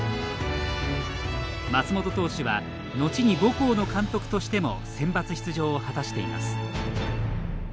松本投手は後に母校の監督としてもセンバツ出場を果たしています。